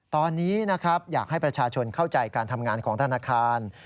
ตอนนี้นะครับอยากให้ประชาชนเข้าใจการทำงานของธนาคาร